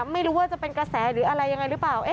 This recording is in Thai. ไม่รู้ว่าจะเป็นกระแสหรืออะไรยังไงหรือเปล่า